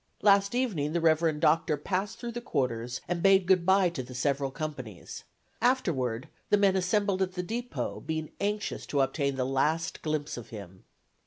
Last evening the reverend doctor passed through the quarters and bade good by to the several companies; afterward the men assembled at the depot, being anxious to obtain the last glimpse of him.